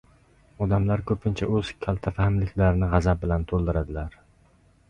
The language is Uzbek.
Odamlar ko‘pincha o‘z kaltafahmliklarini g‘azab bilan to‘ldiradilar.